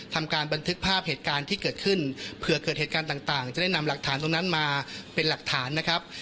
ทำการบันทึกภาพเหตุการณ์ที่เกิดขึ้นเผื่อเกิดเหตุการณ์ต่างจะได้นำหลักฐานตรงนั้นมาเป็นหลักฐานนะครับ